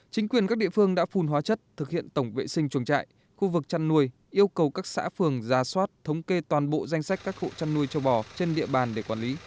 chính quyền các địa phương đã phun hóa chất thực hiện tổng vệ sinh chuồng trại khu vực chăn nuôi yêu cầu các xã phường ra soát thống kê toàn bộ danh sách các hộ chăn nuôi châu bò trên địa bàn để quản lý